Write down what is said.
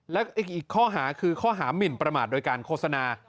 และอีกข้อหาคือข้อหามินประมาทโดยการโฆษณา